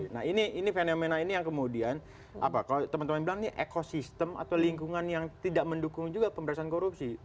nah ini fenomena ini yang kemudian kalau teman teman bilang ini ekosistem atau lingkungan yang tidak mendukung juga pemberantasan korupsi